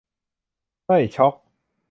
เฮ้ย ช็อค